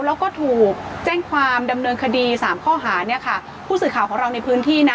แล้วก็ถูกแจ้งความดำเนินคดีสามข้อหาเนี่ยค่ะผู้สื่อข่าวของเราในพื้นที่นะ